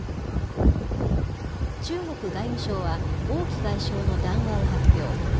中国外務省は、王毅外相の談話を発表。